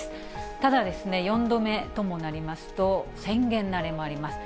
ただですね、４度目ともなりますと、宣言慣れもあります。